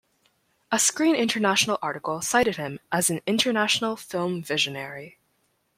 A "Screen International" article cited him as an 'international film visionary'.